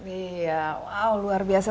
iya wow luar biasa